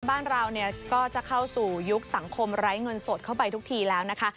บ้านเราเนี่ยก็จะเข้าสู่ยุคสังคมไร้เงินสดเข้าไปทุกทีแล้วนะคะ